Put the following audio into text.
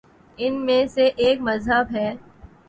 ان میں سے ایک مذہب ہے۔